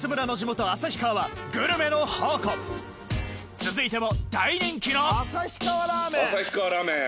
続いても大人気の旭川ラーメン。